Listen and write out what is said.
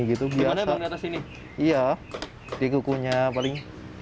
di bawah di kukunya paling